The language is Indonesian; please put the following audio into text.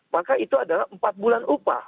maka itu adalah empat bulan upah